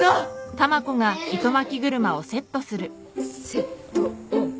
セットオン。